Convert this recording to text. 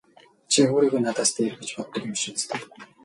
Чи өөрийгөө надаас дээр гэж боддог юм биш биз дээ!